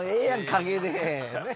陰で。